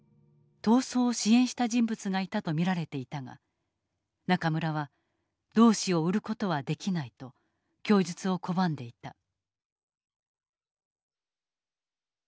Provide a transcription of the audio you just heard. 逃走を支援した人物がいたと見られていたが中村は「同志を売ることは出来ない」と供述を拒んでいた。